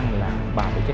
điều này là bà vượng bà